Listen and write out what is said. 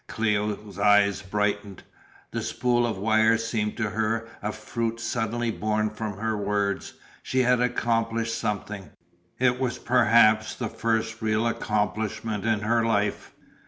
Cléo's eyes brightened. The spool of wire seemed to her a fruit suddenly born from her words; she had accomplished something, it was perhaps the first real accomplishment in her life.